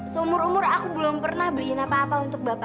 seumur umur aku belum pernah beliin apa apa untuk bapak